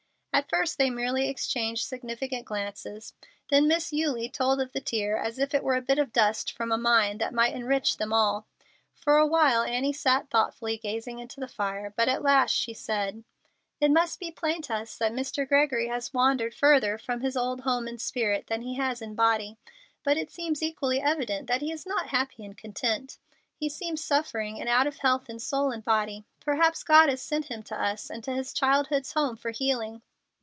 At first they merely exchanged significant glances. Then Miss Eulie told of the tear as if it were a bit of dust from a mine that might enrich them all. For a while Annie sat thoughtfully gazing into the fire, but at last she said, "It must be plain to us that Mr. Gregory has wandered further from his old home in spirit than he has in body; but it seems equally evident that he is not happy and content. He seems suffering and out of health in soul and body. Perhaps God has sent him to us and to his childhood's home for healing.